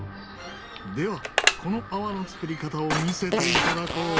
ではこの泡の作り方を見せていただこう。